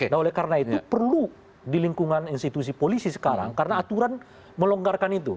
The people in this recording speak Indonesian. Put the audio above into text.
nah oleh karena itu perlu di lingkungan institusi polisi sekarang karena aturan melonggarkan itu